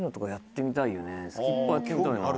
スキッパーやってみたいな。